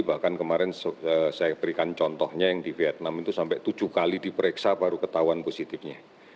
bahkan kemarin saya berikan contohnya yang di vietnam itu sampai tujuh kali diperiksa baru ketahuan positifnya